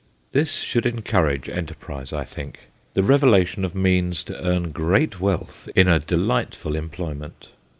This should encourage enterprise, I think the revelation of means to earn great wealth in a delightful employment.